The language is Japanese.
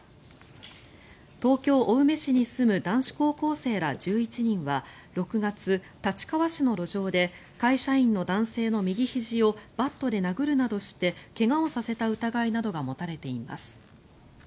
東京・青梅市に住む男子高校生ら１１人は６月立川市の路上で会社員の男性の右ひじをバットで殴るなどして怪我をさせた疑いなどが持たれています。